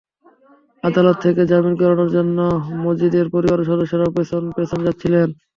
আদালত থেকে জামিন করানোর জন্য মজিদের পরিবারের সদস্যরাও পেছন পেছন যাচ্ছিলেন।